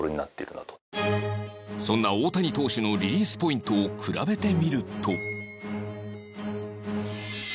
そんな大谷投手のリリースポイントを比べてみると